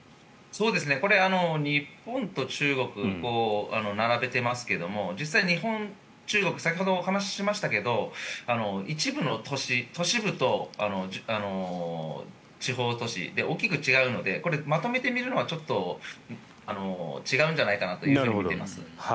これ、日本と中国並べていますけれども実際、日本、中国先ほどお話ししましたけど一部の都市部と地方都市で大きく違うのでこれ、まとめて見るのはちょっと違うんじゃないかなと見ています。